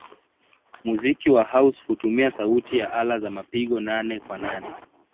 Muziki wa house hutumia sauti ya ala za mapigo nane-kwa-nane.